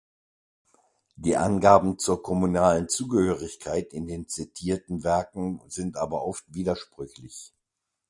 Die Angaben zur kommunalen Zugehörigkeit in den zitierten Werken sind aber oft widersprüchlich.